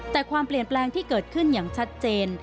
แต่ความเปลี่ยนแปลงที่เกิดขึ้นอย่างชัดเจน